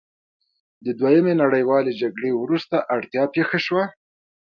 د دویمې نړیوالې جګړې وروسته اړتیا پیښه شوه.